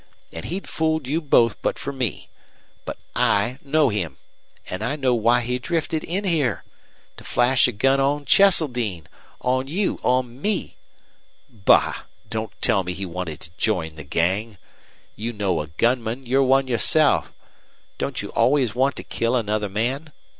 An' he'd fooled you both but for me. But I know him. An' I know why he drifted in here. To flash a gun on Cheseldine on you on me! Bah! Don't tell me he wanted to join the gang. You know a gunman, for you're one yourself. Don't you always want to kill another man?